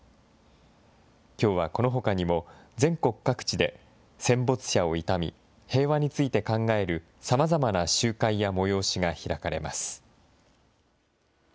きょうはこのほかにも全国各地で、戦没者を悼み、平和について考えるさまざまな集会や催しが開かれます。